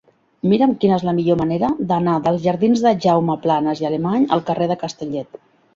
Mira'm quina és la millor manera d'anar dels jardins de Jaume Planas i Alemany al carrer de Castellet.